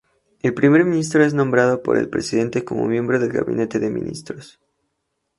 El primer ministro es nombrado por el presidente como miembro del gabinete de ministros.